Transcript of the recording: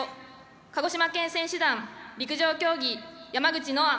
鹿児島県選手団陸上競技山口乃愛。